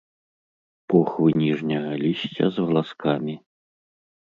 Похвы ніжняга лісця з валаскамі.